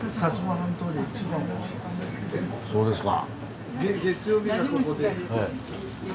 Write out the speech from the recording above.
そうですか。